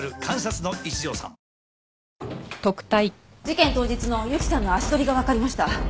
事件当日の由紀さんの足取りがわかりました。